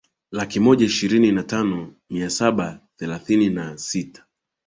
laki moja ishirini na tano mia saba themanini na sita